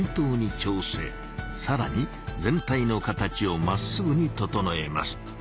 さらに全体の形をまっすぐに整えます。